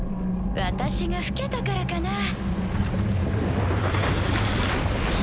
私が老けたからかなぁ。